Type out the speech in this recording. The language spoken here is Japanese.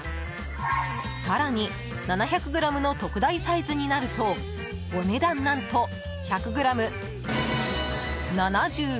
更に７００ｇの特大サイズになるとお値段何と１００ｇ７９円！